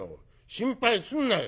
心配すんなよ。